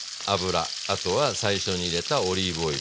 あとは最初に入れたオリーブオイル。